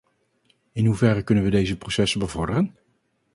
In hoeverre kunnen we deze processen bevorderen?